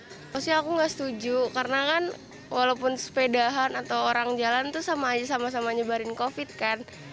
maksudnya aku nggak setuju karena kan walaupun sepedahan atau orang jalan tuh sama aja sama sama nyebarin covid kan